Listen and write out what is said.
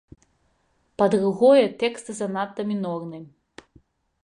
Па-другое, тэкст занадта мінорны.